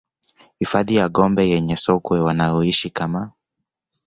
Hifadhi ya Gombe yenye sokwe wanaoishi kama